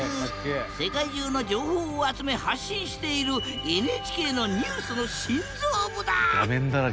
世界中の情報を集め発信しているＮＨＫのニュースの心臓部だ！